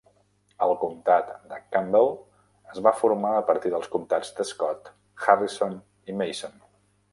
El comtat de Campbell es va formar a partir dels comtats de Scott, Harrison i Mason.